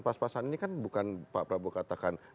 pas pasan ini kan bukan pak prabowo katakan